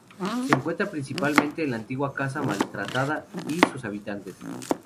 Se centra principalmente en una antigua casa maltratada y sus habitantes.